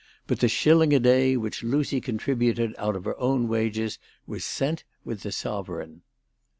But the shilling a day which Lucy contributed out of her own wages was sent with the sovereign.